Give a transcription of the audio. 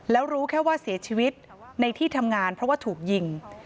แล้วรู้แค่ว่าเสียชีวิตในที่ทำงานเพราะว่าถูกยิง